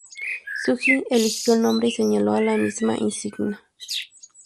Tsuji eligió el nombre y señaló a la misma insignia.